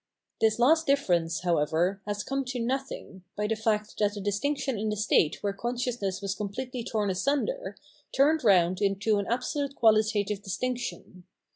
This last difference, however, has come to nothing, by the fact that the distinction in the state where consciousness was com pletely torn asunder, turned round into an absolutely quahtative distinction.